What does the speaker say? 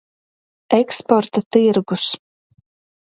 Eksporta tirgus.